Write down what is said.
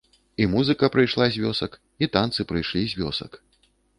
І музыка прыйшла з вёсак, і танцы прыйшлі з вёсак.